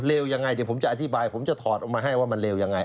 ยังไงเดี๋ยวผมจะอธิบายผมจะถอดออกมาให้ว่ามันเร็วยังไง